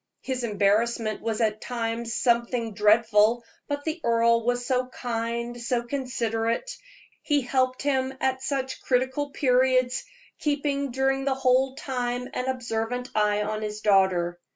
His embarrassment was at times something dreadful, but the earl was so kind, so considerate; he helped him at such critical periods, keeping during the whole time an observant eye on his daughter.